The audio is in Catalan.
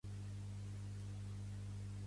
Què opina de la societat que no batalla?